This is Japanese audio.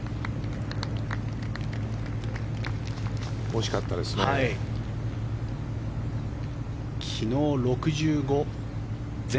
惜しかったですね。